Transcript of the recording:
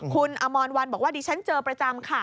คุณอมรวันบอกว่าดิฉันเจอประจำค่ะ